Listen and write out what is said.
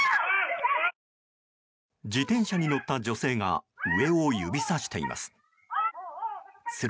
自転車に乗った女性が上を指さしています。